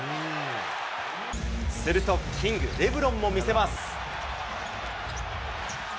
するとキング、レブロンも見せます。